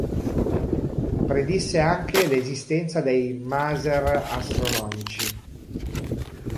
Predisse anche l'esistenza dei maser astronomici.